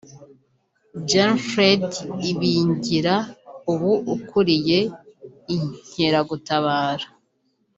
Gen Fred Ibingira ubu ukuriye Inkeragutabara